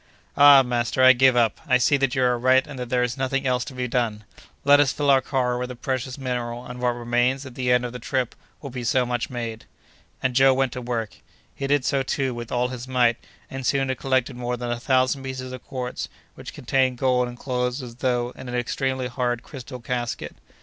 "Ah! master, I give up; I see that you are right, and that there is nothing else to be done. Let us fill our car with the precious mineral, and what remains at the end of the trip will be so much made." And Joe went to work. He did so, too, with all his might, and soon had collected more than a thousand pieces of quartz, which contained gold enclosed as though in an extremely hard crystal casket.